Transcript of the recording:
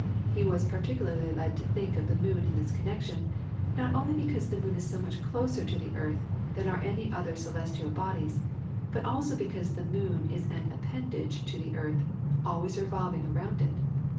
He was particularly led to think of the moon in this connection, not only because the moon is so much closer to the earth than are any other celestial bodies, but also because the moon is an appendage to the earth, always revolving around it.